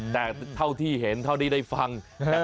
แต่เท่าที่เห็นเท่าที่ได้ฟัง